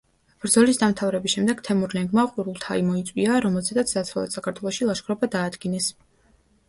ბრძოლის დამთავრების შემდეგ თემურლენგმა ყურულთაი მოიწვია, რომელზედაც დასავლეთ საქართველოში ლაშქრობა დაადგინეს.